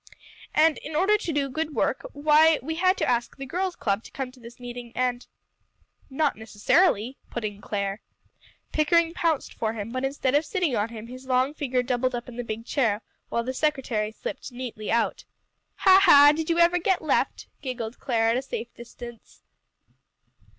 And in order to do good work, why we had to ask the girls' club to come to this meeting, and " "Not necessarily," put in Clare. Pickering pounced for him, but instead of sitting on him, his long figure doubled up in the big chair, while the secretary slipped neatly out. "Ha, ha! did you ever get left?" giggled Clare, at a safe distance.